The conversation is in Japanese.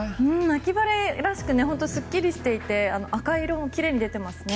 秋晴れらしくすっきりしていて赤色も奇麗に出ていますね。